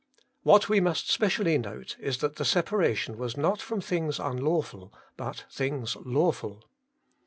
What we must specially note is that the separation was not from things unlawful, but things lawful.